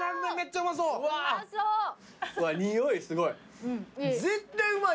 うわ匂いすごい。